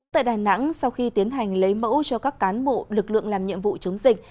tại đà nẵng sau khi tiến hành lấy mẫu cho các cán bộ lực lượng làm nhiệm vụ chống dịch